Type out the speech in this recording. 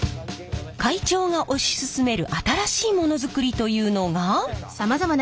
会長が推し進める新しいものづくりというのが。